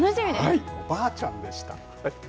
おばあちゃんでした。